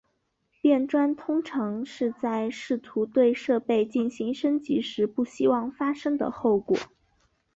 变砖通常是在试图对设备进行升级时不希望发生的后果。